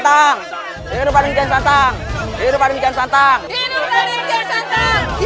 dan kepentingan rakyat